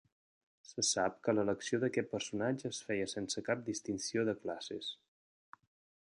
Se sap que l'elecció d'aquest personatge es feia sense cap distinció de classes.